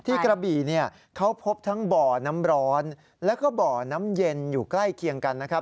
กระบี่เนี่ยเขาพบทั้งบ่อน้ำร้อนแล้วก็บ่อน้ำเย็นอยู่ใกล้เคียงกันนะครับ